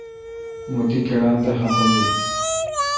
مہ تی کیڈال دے باڑ خفہ بیل۔